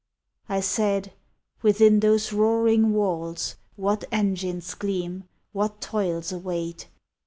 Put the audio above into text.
I said, " Within those roaring walls, What engines gleam, what toils await?